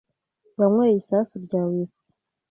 Yanyweye isasu rya whisky.